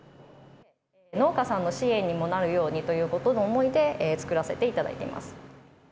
農家さんの支援にもなるようにとの思いで、作らせていただいています。